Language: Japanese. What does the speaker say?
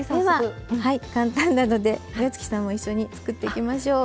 簡単なので、岩槻さんも一緒に作っていきましょう。